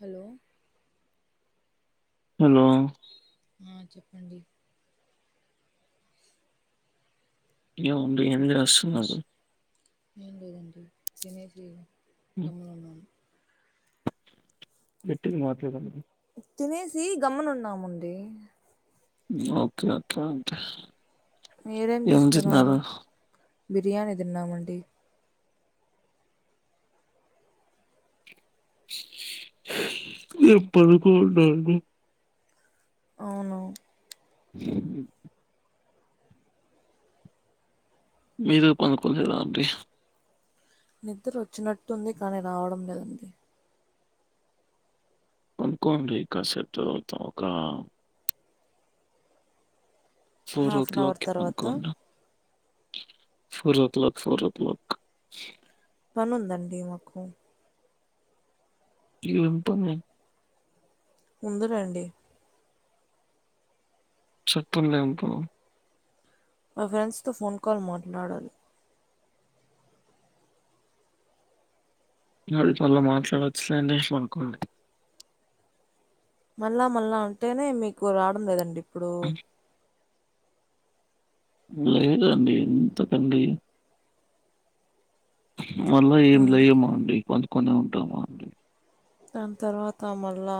Hello hello ఆ చెప్పండి ఏవండి ఏం చేస్తున్నారు. ఏం లేదండి తినేసీ గమ్మున ఉండు గాట్టికి మాట్లాడడానికి తినేసి గమ్మన ఉన్నాముండి ఓకే ఓకే ఓకే మీరేం ఏం చేస్తున్నారు తిన్నారు బిర్యానీ తిన్నామండి ఎప్పడకు నాలుగు అవును మీరు పడుకుంటు రాండి నిద్దర వచ్చినట్టు ఉంది. కానీ రావడం లేదండి పడుకోండి కాసేపు తర్వాత ఒక four oh half an hour క్లాక్కిి తర్వాత పండుకొన్నా four o'clock four o'clock పనుందండి మాకు ఏం పని ఉంది రండి చెప్పండి ఏమిటో మా ఫ్రెండ్స్ తో ఫోన్ కాల్ మాట్లాడాలి [unintelligible] మాట్లాడవచ్చులేంటే ఫోన్ కాల్కీ మళ్ళా మళ్ళా అంటేనే మీకు రావడం లేదండి ఇప్పుడు లేదండి ఎందుకండి మళ్ళ ఏమి అందుకే లేయమా అండి పండు కొనే ఉంటాము అండి దాని తర్వాత మళ్ళా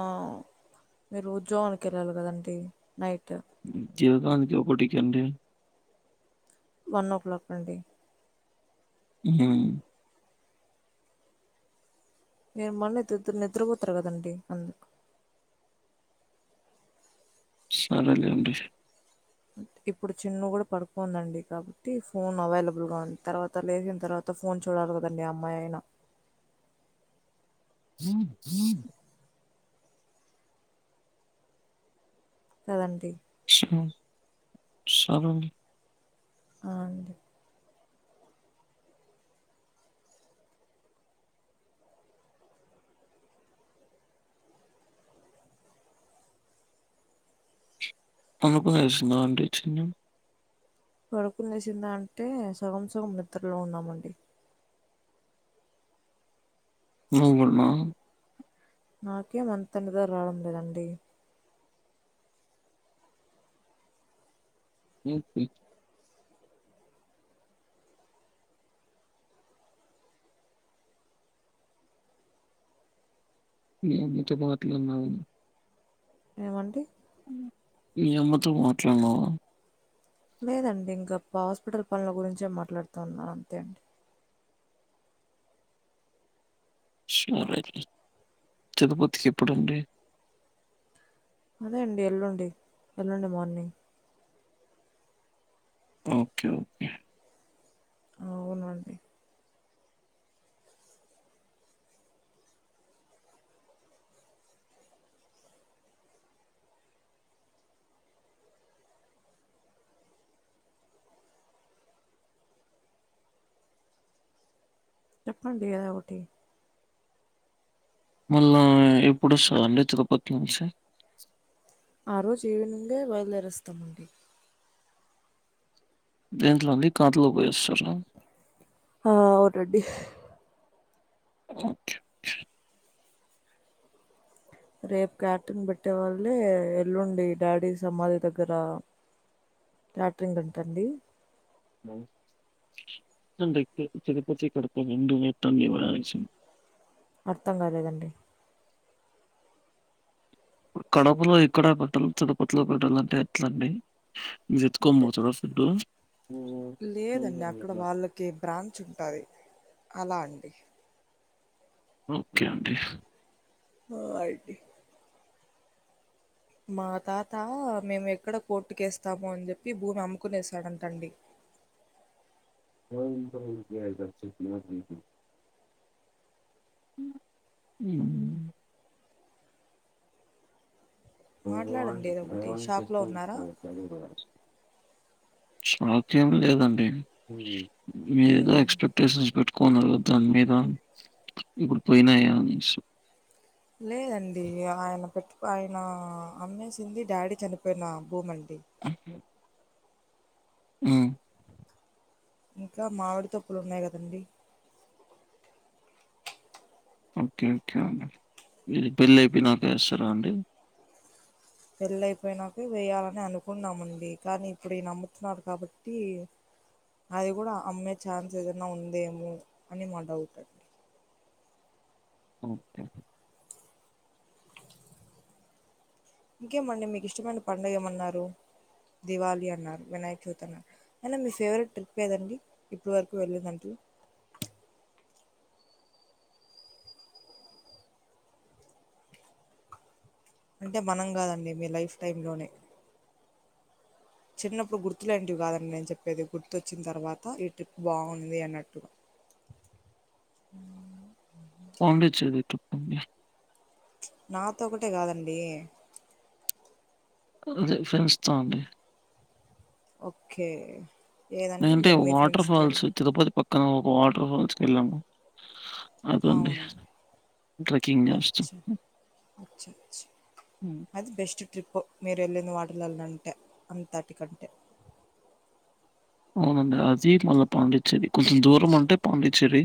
మీరు ఉద్యోగానికి వెళ్ళాలి కదండి నైట్ ఉద్యోగనికి ఒకటికీ అంటె వన్ ఓ క్లాక్ అండి హ్ మీరు మళ్ళీ నిద్రపోతారు కదండి అందుకు సరే లేండి ఇప్పుడు చిన్న కూడా పడుకోందండి కాబట్టి ఫోన్ అవైలబుల్ గా ఉంది తర్వాత లేచిన తర్వాత ఫోన్ చూడాల కదండి అమ్మాయినా ఈీ కదండి సరే అండి అ అండి [unintelligible] పడుకొని నేసిందా అంటే సగం సగం నిద్రలో ఉన్నామండి నువ్వు కూడా నా నాకేం అంత నిదర రావడం లేదండి [unintelligible] ఏమో నీతో మాట్లా ఉన్నావు ఏమండి మీ అమ్మతో మాట్లాడినావా లేదండి ఇంకప్ప హాస్పిటల్ పనుల గురించే మాట్లాడతా ఉన్నా అంతే అండి సరే తిరుపతికి ఎప్పుడండి అదే అండి ఎల్లుండి ఎల్లుండి మార్నింగ్ ఓకే ఓకే అవునండి చెప్పండి ఏదో ఒకటి మళ్ళా ఎప్పుడు వస్తాదండి తిరుపతి నుంచి ఆరోజు ఈవినింగే బయలుదేరేస్తామండి దేంట్లో అండి కార్లో పోయొస్తారా ఆ అవునండి ఓకే రేపు క్యాటిన్ పెట్టే వాళ్ళే ఎల్లుండి డాడీ సమాధి దగ్గర క్యాట్రింగ్ అంట అండి త్తం రెక్టు తిరుపతి కడప రెండు [unintelligible] అర్థం కాలేదండి కడపలో ఇక్కడ పెట్టాలి తిరుపతిలో పెట్టాలంటే ఎట్లండి మీరు ఎత్తుకొని అంటే పోతారా ఫుడ్ లేదండి అక్కడ వాళ్ళకి బ్రాంచ్ ఉంటది అలా అండి ఓకే అండి బాయ్ మా తాత మేము ఎక్కడ కోర్టుకు ఏస్తామొ అని చెప్పి భూమి అమ్ముకునేశాడంట అండి [unintelligible] గది చెప్పినాక మీకి ఉమ్మ్ మాట్లాడండి ఏదో ఒకటి షాప్‌లో ఉన్నారా షాప్ ఏం లేదండి మీరేదో ఎక్స్పెక్ట్ టేషన్స్ పెట్టుకున్నారు దాని మీద ఇప్పుడు పోయినా అనేసి లేదండి ఆయన పెట్టు ఆయన అమ్మేసింది డాడీ చనిపోయిన భూమి అండి అహ ఉమ్మ్ ఇంకా మామిడి తొక్కులు ఉన్నాయి కదండి ఓకే ఓకే అండి మీది పెళ్లి అయిపోయినకా ఏస్తారా అండి పెళ్ళయిపోయినాక వేయాలని అనుకున్నామండి కానీ ఇప్పుడు ఈయన అమ్ముతున్నాడు కాబట్టి అది కూడా అమ్మే ఛాన్స్ ఏదన్నా ఉందేమో అని మా డౌట్ అండి. ఓకే ఇంకేమండి మీకు ఇష్టమైన పండగ ఏమన్నారు దివాళి అన్నారు వినాయక చవితి అన్నా అయినా మీ ఫేవరెట్ ట్రిప్ ఏదండి ఇప్పటి వరకు వెళ్ళిన దాంట్లో అంటే మనం కాదండి మీ లైఫ్ టైమ్ లోనే చిన్నప్పుడు గుర్తు లాంటివి కాదండి నేను చెప్పేది గుర్తొచ్చిన తర్వాత ఈ ట్రిప్ బాగుంది అన్నట్టు పాండిచ్చేరి ట్రిప్ అండి నాతో ఒకటే కాదండి అదే ఫ్రెండ్స్‌తో అండి ఓకే ఏదండి ఎంటే మీరు మీ వాటర్ ఫ్రెండ్స్తో వెళ్ళి ఫాల్స్ తిరుపతి పక్కన ఒక వాటర్ ఫాల్స్‌కి ఎళ్ళాము అదండి అవునండి ట్రెక్కింగ్ అచ్చా చేస్తాం అచ్చచ్ అది బెస్ట్ ట్రిప్పు మీరు వెళ్ళిన వాటిలల్లో అంటే అంతటికంటే అవునండి అది మళ్ళా పాండిచ్చేరి కొంచెం దూరం ఉంటే పాండిచ్చేరి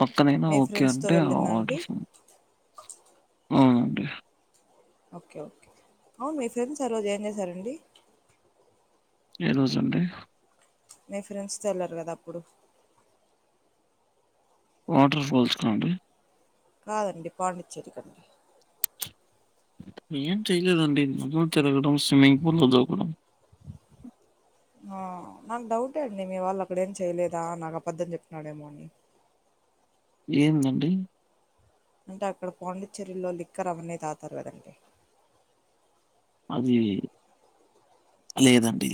పక్కనైనా మీ ఓకే ఫ్రెండ్స్తో అంటే వెళ్ళిందండి ఆర్డర్స్ అవుండి ఓకే ఓకే అవును మీ ఫ్రెండ్స్ ఆ రోజు ఏం చేశారండి ఏ రోజు అండి ప్చ్ మీ ఫ్రెండ్స్ తో వెళ్లారు కదా అప్పుడు వాటర్ ఫాల్స్ కా అండి కాదండి పాండిచ్చేరికండి ఏం చేయలేదండి [unintelligible] తిరగడం స్విమ్మింగ్ ఫూల్లో దూకడం ఆ నాకు డౌటే అండి మీ వాళ్ళు అక్కడ ఏం చేయలేదా నాకు అబద్దం చెప్తున్నాడేమో అని ఏందండి అంటే అక్కడ పాండిచ్చేరిలో లిక్కర్ అవన్నీ తాతారు కదండి అది లేదండి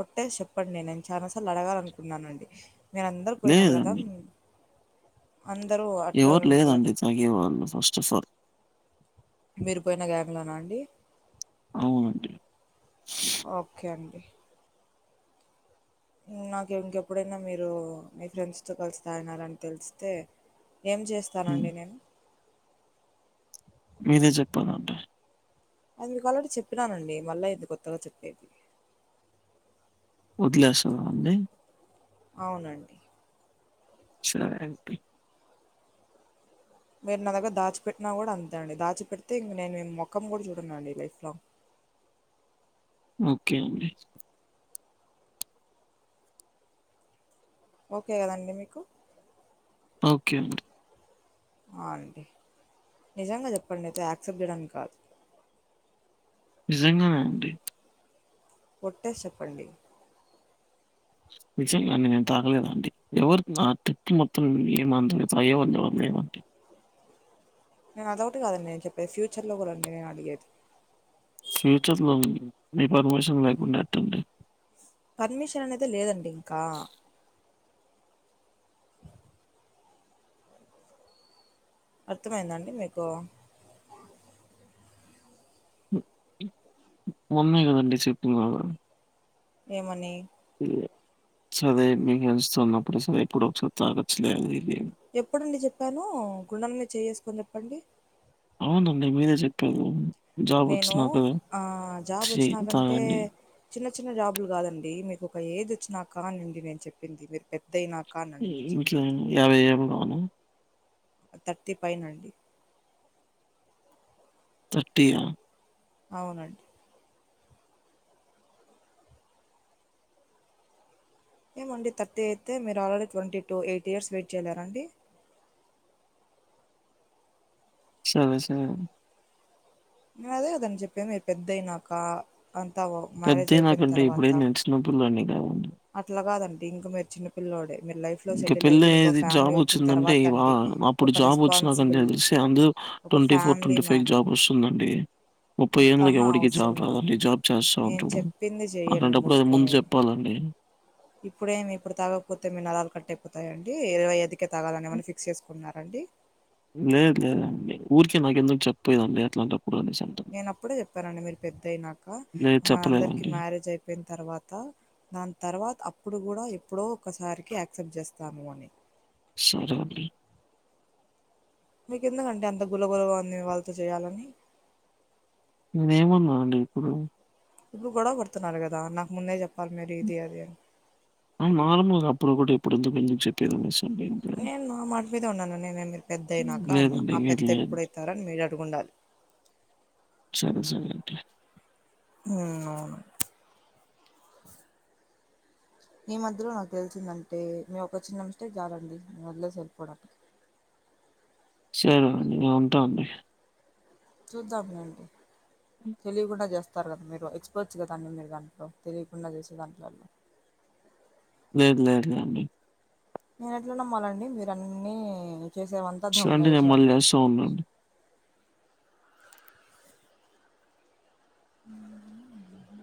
ఒట్టేసి చెప్పండి నేను చాలా సార్లు అడగాలనుకున్నానండి మీరు అందరు పోయినారు కదా లేదండి. అందరూ అట్లా ఉంటరు కదా ఏమన్ను ఫస్ట్ అఫ్ ఆల్ మీరు పోయిన గ్యాంగ్ లోనా అండి అవునండి ఓకే అండి నాకు ఇంకెప్పుడైనా మీరు మీ ఫ్రెండ్స్ తో కలిసి తాగినారని తెలిస్తే ఏం హ్మ్. చేస్తానండి నేను మీరే చెప్పాలండి అది మీకు అల్రెడీ చెప్పినానండి మళ్ళ ఏంది కొత్తగా చెప్పేది వదిలేస్సావా అండి అవునండి సరే అనిపి మీరు నా దగ్గర దాచిపెట్టినా కూడా అంతే అండి దాచి పెడితే ఇంక నేను మీ మొఖం కూడా చూడను అండి లైఫ్ లో ఓకే అండి ఓకే కదండి మీకు ఓకే అండి ఆ అండి నిజంగా చెప్పండి అయితే యాక్సెప్ట్ చేయడానికి కాదు నిజంగానే అండి ఒట్టేసి చెప్పండి నిజంగా అండి నేను తాగలేదు అండి ఎవరికి నా ఆ ట్రిప్ మొత్తం ఏం అంతగా తాగేవాళ్ళు ఎవరు లేరండి నేను అదొకటి కాదండి నే చెప్పేది ఫ్యూచర్ లో కూడా అండి నేను అడిగేది ఫ్యూచర్ లో మీ పర్మిషన్ లేకుండా ఎట్టండి పర్మిషన్ అనేదే లేదండి ఇంకా అర్థమైందా అండి మీకు ఉన్నాయి కదండి చెప్పిన అవి ఏమని యే సరే మీకు ఎంచుతున్నప్పుడు సరే ఎప్పుడు ఒకసారి తాగచ్చలేదు ఈ గేమ్ ఎప్పుడు అండి చెప్పాను గుండెలమీద చేయివేసుకొని చెప్పండి అవునండి మీరే చెప్పారు జాబ్ నేను వచ్చినాక ఆ జాబ్ ఛీ! వచ్చినాకంటే తాగండి. చిన్న చిన్న జాబులు కాదండి మీకు ఒక ఏజ్ వచ్చినాక అండి నేను చెప్పింది మీరు పెద్ద అయినాక అనండి నేను చెప్పింది [unintelligible] యాభై ఏ అవునా థర్టీ పైనా అండి థర్టీ ఆ అవునండి ఏమండి థర్టీ అయితే మీరు already twenty to eighty years wait చేయలేర అండి సరె సరే నేను అదే కదండి చెప్పేంది మీరు పెద్దయినాక అంతా మ్యారేజ్ అయిపోయిన తర్వాత నొప్పు ఉందండి ఇక అట్ల కాదండి ఇంకా మీరు చిన్నపిల్ల్లోడే మీరు లైఫ్ ఇంక పెళ్లి అయ్యేది జాబ్ వచ్చిందంటే ఆ అండి అప్పుడు ఒక జాబ్ వచ్చినాక రెస్పాన్సిబుల్ తెలిసి అందు ఒక twenty four family twenty five కి మ్యాన్ జాబ్ వస్తుందండి ముప్పై ఏళ్ళకి అంతహా ఎవరికి అవసరం జాబ్ రాదండి లేదండి జాబ్ చేస్తా నేను ఉంటడు చెప్పింది చెయ్యండి అలాంటప్పుడు అది ముందు మూసుకొని చెప్పాలండి ఇప్పుడేమి ఇప్పుడు తాగకపోతే మీ నరాలు కట్టయిపోతాయంండి ఇరవై ఐదు కె తాగాలని ఏమన్న ఫిక్స్ చేసుకున్నారండి లేదు లేదండి ఊరికె నాకు ఎందుకు చెప్పపోయదండి అట్లాంటప్పుడు అనేసి అంటాను. నేన్ అప్పుడే చెప్పానండి మీరు పెద్ద అయినాక లేదు మన అందరికి చెప్పలేదండి. మ్యారేజ్ అయి పోయిన తర్వాత దాని తర్వాత అప్పుడు కూడా ఎప్పుడో ఒకసారికి యాక్సెప్ట్ చేస్తాము అని సరే అండి మీకు ఎందుకండి అంత గుల గులగ ఉంది వాళ్ళతో చేయాలని నేమోన అండి ఇప్పుడు ఇప్పుడు గొడవ పడుతున్నారు కదా నాకు ముందే చెప్పాలి మీరు ఇది అది అని అవు నార్మల్గ అప్పుడ ఒకటి ఇప్పుడు ఎందుక చెప్ప నేను నా మాట మీద ఉన్నాను నేనేే మీరు పెద్ద అయినాక అన్నా లేదండి. ఆ లేదు పెద్ద లేదు. ఎప్పుడైతార అని మీరు అడుగుండాలి సరే సరే ఒకే హ్మ్ అవును మీ మధ్యలో నాకు తెలిసిందంటే మీ ఒక చిన్న మిస్టేక్ చాలండి నేన్ వదిలేసి వెళ్ళిపోవడానికి సరే అండి నేన్ ఉంటా అండి చూద్దాం ఏమండి తెలియకుండా చేస్ తార్ కదా మీరు ఎక్స్పర్ట్స్ కదా అండి మీరు దాంట్లో తెలియకుండా చేసే దాంట్లో లేద్ లేదు లే అండి నేను ఎట్ల నమ్మాలండి మీరు అన్నిీ చేసేవం సరే అండి నేను మళ్ళీ చేస్తా ఉన్నా [inaudible]